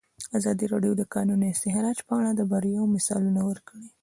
ازادي راډیو د د کانونو استخراج په اړه د بریاوو مثالونه ورکړي.